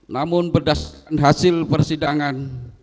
namun berdasarkan hasil persidangan